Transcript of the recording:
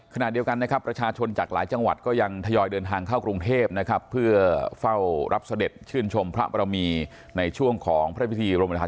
คณะเดียวกันนะครับประชาชนจากหลายจังหวัด